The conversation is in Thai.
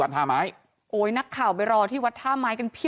วัดนี้ก็คือ